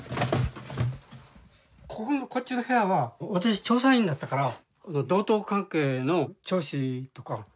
ここのこっちの部屋は私調査員だったから道東関係の町史とか。